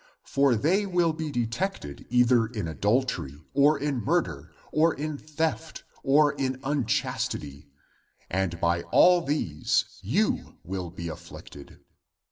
For they will be detected either in adultery, or in murder, or in theft, or in unchastity, and by all these you will be afliicted.